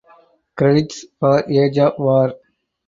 Credits for "Age of War".